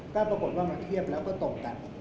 ก็ปรากฏว่ามาเทียบแล้วก็ตบกัน